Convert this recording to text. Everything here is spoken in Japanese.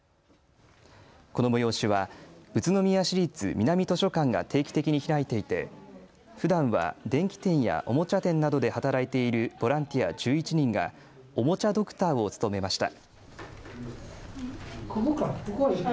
この催しは宇都宮市立南図書館が定期的に開いていてふだんは電器店やおもちゃ店などで働いているボランティア１１人がおもちゃドクターを務めました。